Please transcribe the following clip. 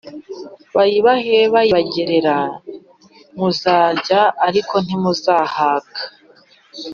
bayibahe bayibagerera r muzarya ariko ntimuzahaga